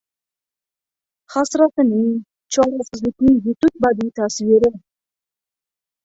Hasratining, chorasizlikning yetuk badiiy tasviri…